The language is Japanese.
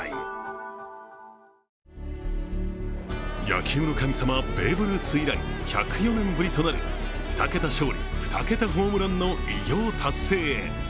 野球の神様、ベーブ・ルース以来１０４年ぶりとなる２桁勝利・２桁ホームランの偉業達成へ。